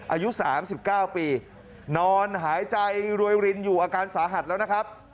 อายุ๓๙ปีนอนหายใจรวยรินอยู่อาการสาหัสแล้วนะครับ